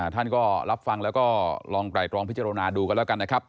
ท่านก็รับฟังแล้วก็ลองไตรรองพิจารณาดูกันแล้วกันนะครับ